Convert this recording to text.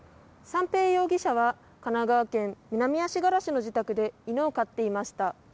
三瓶容疑者は神奈川県南足柄市の自宅で犬を飼っていました。